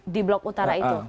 di blok utara itu